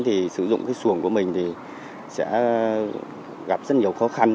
thì sử dụng cái xuồng của mình thì sẽ gặp rất nhiều khó khăn